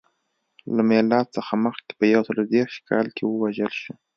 له میلاد څخه مخکې په یو سل درې دېرش کال کې ووژل شو.